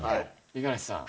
五十嵐さん。